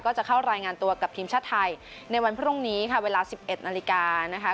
จะเข้ารายงานตัวกับทีมชาติไทยในวันพรุ่งนี้ค่ะเวลา๑๑นาฬิกานะคะ